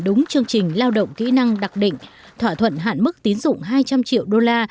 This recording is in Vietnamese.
đúng chương trình lao động kỹ năng đặc định thỏa thuận hạn mức tín dụng hai trăm linh triệu đô la